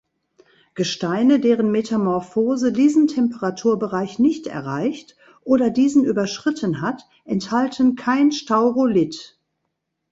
Gesteine, deren Metamorphose diesen Temperaturbereich nicht erreicht oder diesen überschritten hat, enthalten keinen Staurolith.